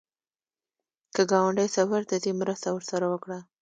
که ګاونډی سفر ته ځي، مرسته ورسره وکړه